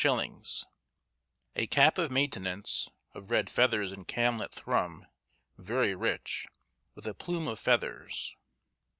_ A cap of maintenance, of red feathers and camlet thrum, very rich, with a plume of feathers.